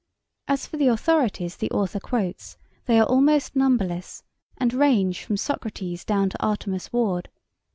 As for the authorities the author quotes, they are almost numberless, and range from Socrates down to Artemus Ward.